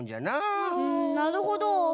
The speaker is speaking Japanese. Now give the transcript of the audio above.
なるほど。